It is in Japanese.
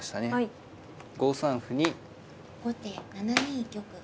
後手７二玉。